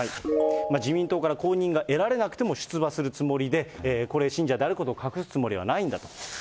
自民党から公認が得られなくても出馬するつもりで、これ、信者であることを隠すつもりはないんだと。